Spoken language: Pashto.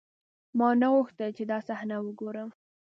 ما نه غوښتل چې دا صحنه وګورم.